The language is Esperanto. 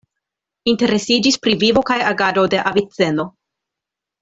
Interesiĝis pri vivo kaj agado de Aviceno.